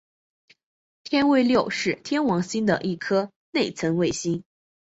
天卫六是天王星的一颗内层卫星。